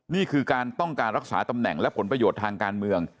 นี่คือการต้องการรักษาตำแหน่งและผลประโยชน์ทางการเมือง